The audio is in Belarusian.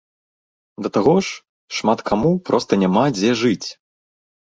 Да таго ж, шмат каму проста няма дзе жыць.